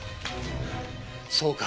そうか。